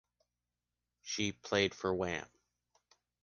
She played for Wam !